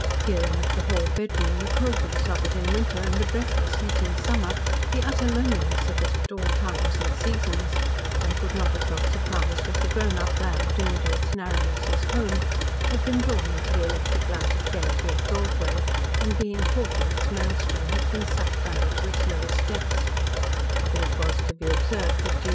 Hearing of the "hall bedroom," the coldness of it in winter, and the breathless heat in summer, the utter loneliness of it at all times and seasons, one could not have felt surprise if the grown up lad doomed to its narrowness as home had been drawn into the electric lighted gaiety of Broadway, and being caught in its maelstrom, had been sucked under to its lowest depths. But it was to be observed that G.